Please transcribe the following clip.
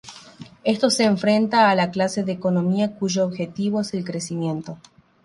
Esto se enfrenta a la clase de economía cuyo objetivo es el crecimiento.